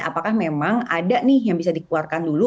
apakah memang ada nih yang bisa dikeluarkan dulu